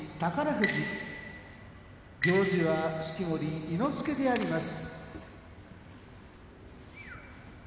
富士行司は式守伊之助であります。